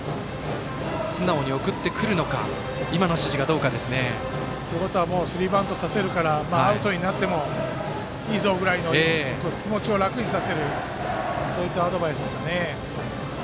素直に送るか今の指示がどうかですね。ということはもうスリーバントさせるからアウトになってもいいぞぐらいの気持ちを楽にさせるアドバイスですかね。